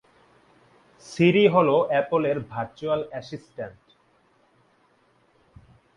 সিরি হলো অ্যাপল এর virtual assistant.